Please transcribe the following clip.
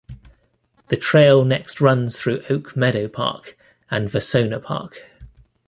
The trail next runs through Oak Meadow Park and Vasona Park.